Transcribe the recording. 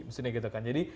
maksudnya gitu kan jadi